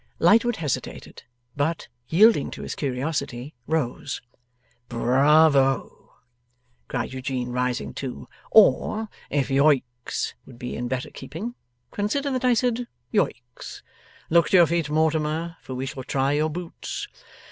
Lightwood hesitated; but, yielding to his curiosity, rose. 'Bravo!' cried Eugene, rising too. 'Or, if Yoicks would be in better keeping, consider that I said Yoicks. Look to your feet, Mortimer, for we shall try your boots.